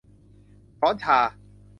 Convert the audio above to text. ช้อนชา